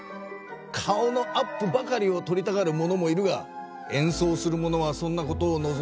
顔のアップばかりをとりたがる者もいるがえんそうをする者はそんなことをのぞんではいない。